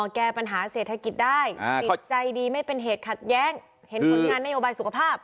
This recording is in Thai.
แก้ปัญหาเศรษฐกิจได้จิตใจดีไม่เป็นเหตุขัดแย้งเห็นผลงานนโยบายสุขภาพ